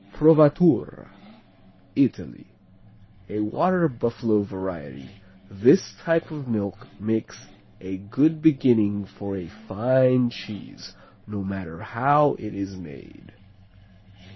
Provatura Italy A water buffalo variety. This type of milk makes a good beginning for a fine cheese, no matter how it is made.